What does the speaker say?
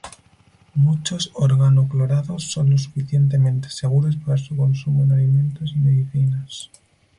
Muchos organoclorados son lo suficientemente seguros para su consumo en alimentos y medicinas.